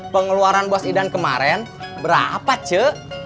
pengeluaran buas idan kemarin berapa ce